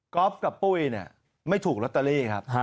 ก๊อฟกับปุ้ยไม่ถูกรอเตอรี่ครับ